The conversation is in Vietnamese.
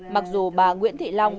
mặc dù bà nguyễn thị long